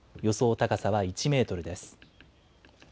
高さは１メートルです。